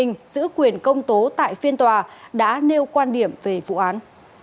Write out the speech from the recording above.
giữ quyền công tố tại phiên tòa đã nêu quan điểm về vụ án